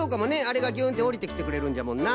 あれがぎゅんっておりてきてくれるんじゃもんな。